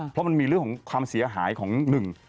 เพราะมันมีเรื่องของความเสียหายของหนึ่ง